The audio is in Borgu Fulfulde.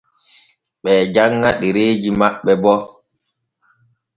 Ɓe janŋa ɗereeji maɓɓe bo.